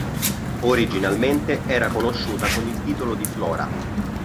Originalmente era conosciuta con il titolo di Flora.